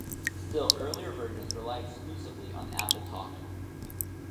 Still earlier versions rely exclusively on AppleTalk.